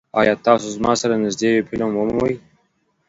ایا تاسو زما سره نږدې یو فلم ومومئ؟